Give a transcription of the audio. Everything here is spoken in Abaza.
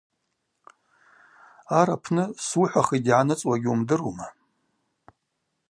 Ар апны суыхӏвахитӏ йгӏаныцӏуа гьуымдырума?